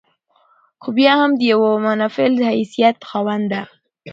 خو بيا هم د يوه منفعل حيثيت خاونده